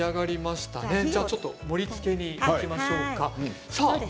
盛りつけにいきましょうか。